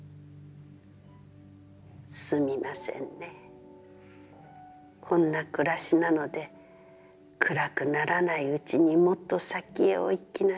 『すみませんね、こんな暮らしなので、暗くならないうちにもっと先へお行きなさい』